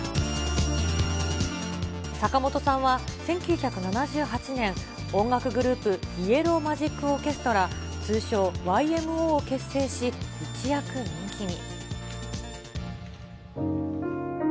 坂本さんは１９７８年、音楽グループ、ＹＥＬＬＯＷ・ＭＡＧＩＣ・オーケストラ、通称ＹＭＯを結成し、一躍人気に。